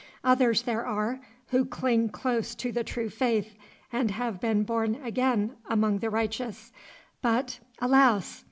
Others there are who cling close to the true faith, and have been born again among the righteous; but alas!